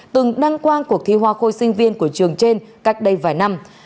từng đăng quang cuộc thi hoa khôi sinh viên của trường trên cách đây vài năm